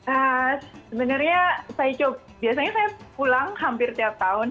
eee sebenarnya saya coba biasanya saya pulang hampir tiap tahun